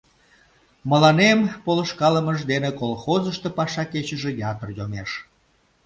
Мыланем полышкалымыж дене колхозышто паша кечыже ятыр йомеш.